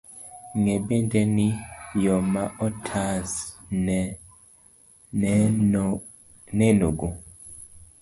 Ng'e bende ni, yo ma otas nenogo,